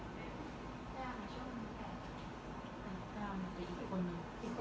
สวัสดีครับดีครับ